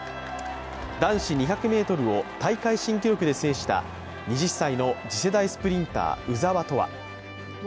男子２００ｍを大会新記録で制した２０歳の次世代スプリンター・鵜澤飛羽。